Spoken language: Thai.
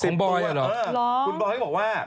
สิบตัวเดี๋ยวลองกุญบอย์บอกว่า